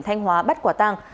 thành hóa bắt quả tăng